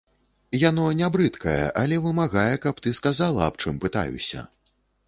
Яно не брыдкае, але вымагае, каб ты сказала, аб чым пытаюся.